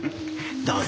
どうぞ。